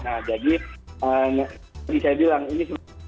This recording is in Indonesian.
nah jadi seperti saya bilang ini sharing load mbak